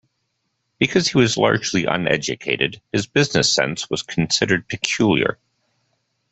Because he was largely uneducated, his business sense was considered peculiar.